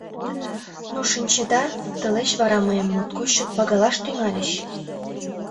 Ну, шинчеда, тылеч вара мыйым моткоч чот пагалаш тӱҥальыч.